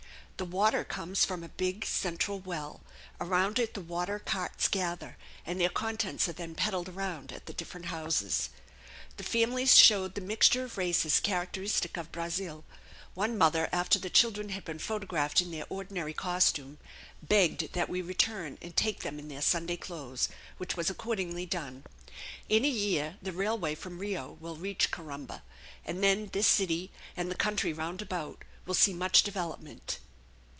The water comes from a big central well; around it the water carts gather, and their contents are then peddled around at the different houses. The families showed the mixture of races characteristic of Brazil; one mother, after the children had been photographed in their ordinary costume, begged that we return and take them in their Sunday clothes, which was accordingly done. In a year the railway from Rio will reach Corumba; and then this city, and the country roundabout, will see much development.